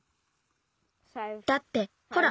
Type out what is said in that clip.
だってほら